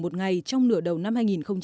một ngày trong nửa đầu năm hai nghìn một mươi bảy